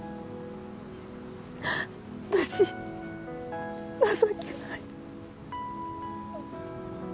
私情けない